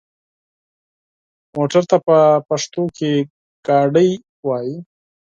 موټر ته په پښتو کې ګاډی وايي.